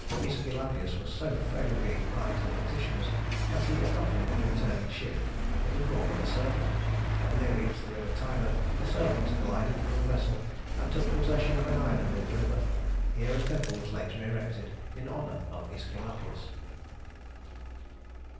Æsculapius was so favorably inclined to the petitioners that he accompanied the returning ship in the form of a serpent. When they reached the river Tiber, the serpent glided from the vessel, and took possession of an island in the river. Here a temple was later erected in honor of Æsculapius.